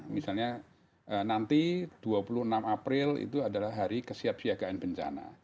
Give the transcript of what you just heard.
misalnya nanti dua puluh enam april itu adalah hari kesiapsiagaan bencana